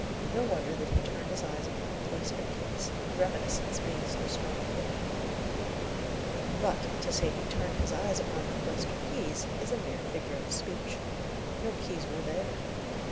No wonder that he turned his eyes upon the cloister keys, the reminiscence being so strong within him. But, to say he turned his eyes upon the cloister keys, is a mere figure of speech. No keys were there.